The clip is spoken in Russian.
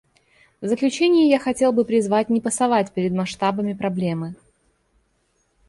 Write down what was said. В заключение я хотел бы призвать не пасовать перед масштабами проблемы.